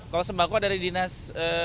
kalau sembangkot dari dinas